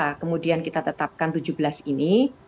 nah kemudian kita tetapkan tujuh belas ini